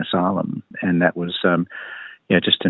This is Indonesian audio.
dan apa yang terjadi